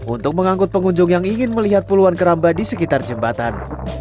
untuk mengangkut pengunjung yang ingin melihat puluhan keramba di sekitar jembatan